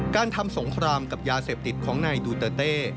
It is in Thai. การทำสงครามกับยาเสพติดของนายดูเตอร์เต้